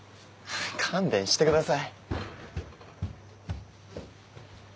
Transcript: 勘弁してください。